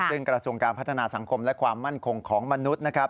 ซึ่งกระทรวงการพัฒนาสังคมและความมั่นคงของมนุษย์นะครับ